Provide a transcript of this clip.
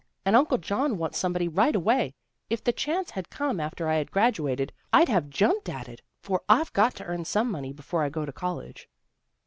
And Uncle John wants somebody right away. If the chance had come after I had graduated I'd have jumped at it, for I've got to earn some money before I go to college."